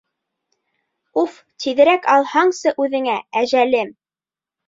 Уф, тиҙерәк алһаңсы үҙеңә, әжәлем.